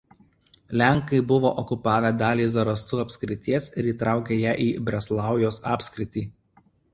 Lenkai buvo okupavę dalį Zarasų apskrities ir įtraukė ją į Breslaujos apskritį.